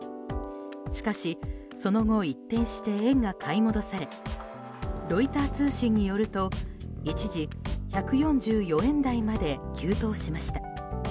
しかしその後、一転して円が買い戻されロイター通信によると、一時１４４円台まで急騰しました。